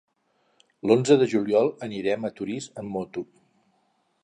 L'onze de juliol anirem a Torís amb moto.